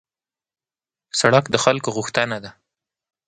سړک د خلکو غوښتنه ده.